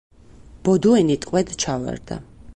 ბოდუენი ტყვედ ჩავარდა.